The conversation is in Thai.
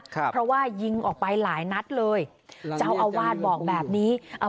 ครับเพราะว่ายิงออกไปหลายนัดเลยเจ้าอาวาสบอกแบบนี้อ่า